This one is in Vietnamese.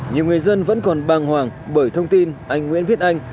nhiều người dân vẫn còn bàng hoàng bởi thông tin anh nguyễn viết anh